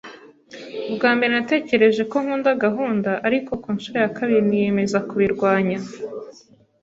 Ubwa mbere natekereje ko nkunda gahunda, ariko ku ncuro ya kabiri niyemeza kubirwanya.